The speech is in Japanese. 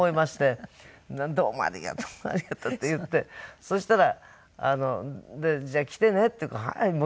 「どうもありがとうありがとう」って言ってそしたら「じゃあ来てね」って言うから「はいもちろん」。